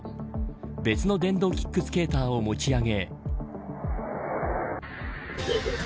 別の電動キックスケーターを持ち上げ。